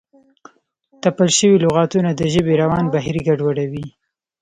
تپل شوي لغتونه د ژبې روان بهیر ګډوډوي.